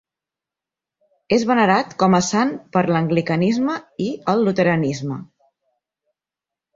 És venerat com a sant per l'anglicanisme i el luteranisme.